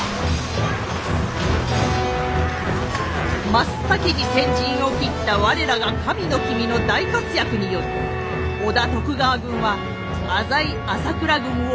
真っ先に先陣を切った我らが神の君の大活躍により織田徳川軍は浅井朝倉軍を見事撃破！